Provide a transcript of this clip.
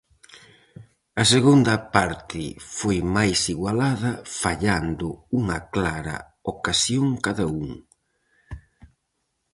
A segunda parte foi máis igualada, fallando unha clara ocasión cada un.